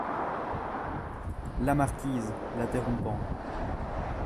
La Marquise , l’interrompant.